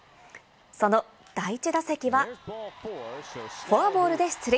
その第１打席は、フォアボールで出塁。